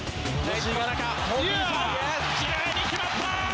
きれいに決まった！